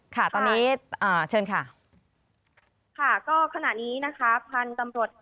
ค่ะตอนนี้อ่าเชิญค่ะค่ะก็ขณะนี้นะคะพันธุ์ตำรวจ